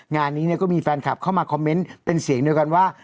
งานนี้ก็มีแฟนคลับเข้ามาคอมเมนต์เป็นเสียงเดียวกันว่า